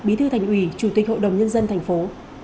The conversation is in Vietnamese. bí thư thành ủy chủ tịch hội đồng nhân dân thành phố